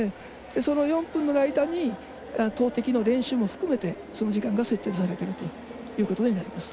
その４分の間に投てきの練習も含めてその時間が設定されているということになります。